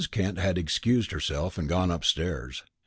Kent had excused herself and gone upstairs.